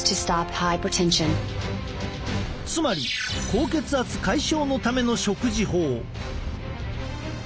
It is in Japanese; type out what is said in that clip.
つまり高血圧解消のための食事法。